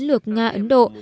lược nga ấn độ